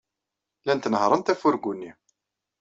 Llant nehhṛent afurgu-nni.